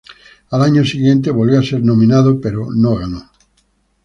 Al año siguiente volvió a ser nominado, pero no ganó.